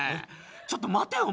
ちょっと待てお前。